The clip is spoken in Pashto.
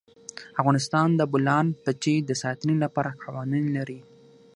افغانستان د د بولان پټي د ساتنې لپاره قوانین لري.